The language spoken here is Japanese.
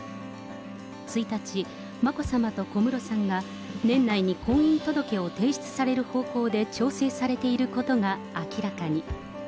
１日、眞子さまと小室さんが年内に婚姻届を提出される方向で調整されていることが明らかに。